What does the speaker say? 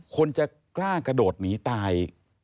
คนจะกล้ากระโดดหนีตาย